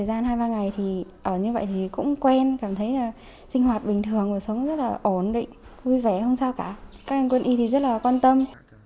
các anh quân y thì rất là quan tâm